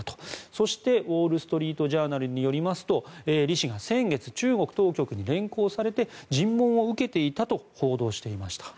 そして、ウォール・ストリート・ジャーナルによりますとリ氏が中国当局に先月連行されて尋問を受けていたと報道していました。